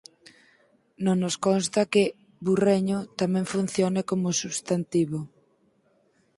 Non nos consta que "burreño" tamén funcione como substantivo.